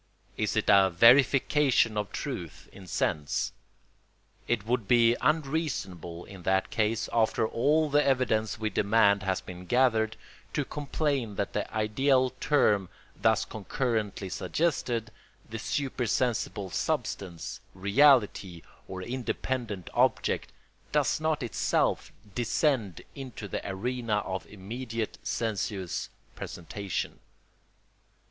Is it a verification of truth in sense? It would be unreasonable, in that case, after all the evidence we demand has been gathered, to complain that the ideal term thus concurrently suggested, the super sensible substance, reality, or independent object, does not itself descend into the arena of immediate sensuous presentation.